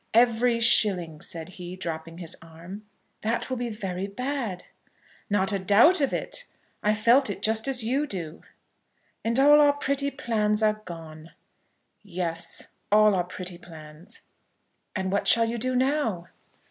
"Every shilling," said he, dropping his arm. "That will be very bad." "Not a doubt of it. I felt it just as you do." "And all our pretty plans are gone." "Yes; all our pretty plans." "And what shall you do now?"